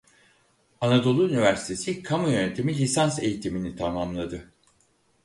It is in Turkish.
Anadolu Üniversitesi Kamu Yönetimi lisans eğitimini tamamladı.